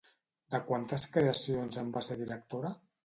De quantes creacions en va ser directora?